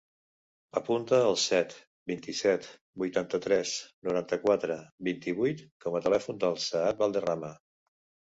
Apunta el set, vint-i-set, vuitanta-tres, noranta-quatre, vint-i-vuit com a telèfon del Saad Valderrama.